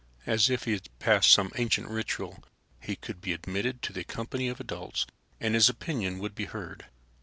As if he had passed some ancient ritual, he could be admitted to the company of adults and his opinions would be heard.